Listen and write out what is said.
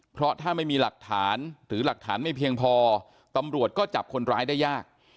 เพราะถ้าไม่มีหลักฐานหรือหลักฐานไม่เพียงพอตำรวจก็จับคนร้ายได้ยาก